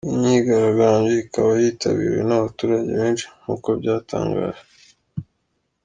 Iyi myigaragambyo ikaba yitabiriwe n’abaturage benshi nk’uko byatangajwe.